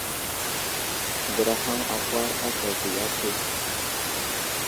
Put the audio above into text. Gurahaŋ akwar aka avi atu.